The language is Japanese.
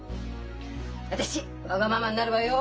私わがままになるわよ！